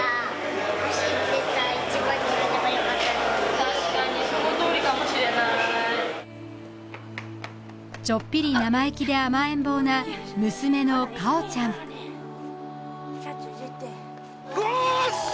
確かにそのとおりかもしれないちょっぴり生意気で甘えん坊な娘の果緒ちゃんよっしゃ！